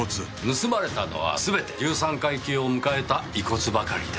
盗まれたのは全て十三回忌を迎えた遺骨ばかりです。